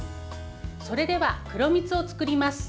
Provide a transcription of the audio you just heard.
それでは、黒蜜を作ります。